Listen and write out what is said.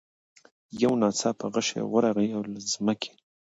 یو ناڅاپه غشی ورغی له مځکي